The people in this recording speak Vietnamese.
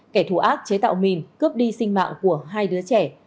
kẻ thù ác chế tạo mìn cướp đi sinh mạng của hai đứa trẻ